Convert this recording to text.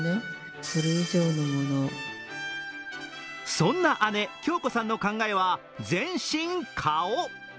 そんな姉・恭子さんの考えは、全身顔。